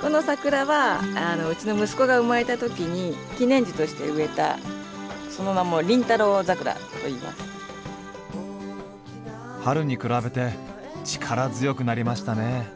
この桜はうちの息子が生まれたときに記念樹として植えたその名も春に比べて力強くなりましたね。